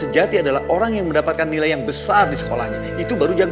lagi yang juga mereka bukan anak sekolah kamu juga